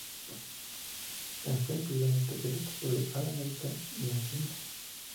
En fue incluido en el tercer equipo All-American y en en el segundo.